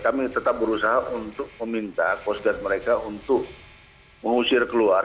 kami tetap berusaha untuk meminta coast guard mereka untuk mengusir keluar